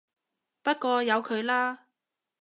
不過由佢啦